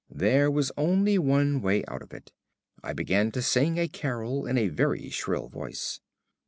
There was only one way out of it. I began to sing a carol in a very shrill voice.